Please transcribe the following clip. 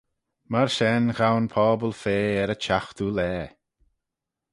Myr shen ghow'n pobble fea er y chiaghtoo laa.